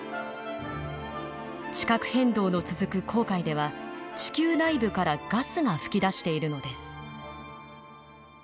地殻変動の続く紅海では地球内部からガスが噴き出しているのです。